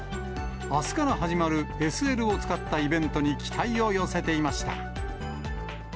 あすから始まるＳＬを使ったイベントに期待を寄せていました。